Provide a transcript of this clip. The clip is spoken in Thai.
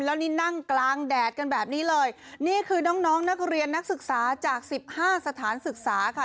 แล้วนี่นั่งกลางแดดกันแบบนี้เลยนี่คือน้องน้องนักเรียนนักศึกษาจากสิบห้าสถานศึกษาค่ะ